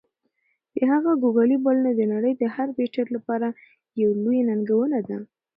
د هغه "ګوګلي" بالونه د نړۍ د هر بیټر لپاره یوه لویه ننګونه ده.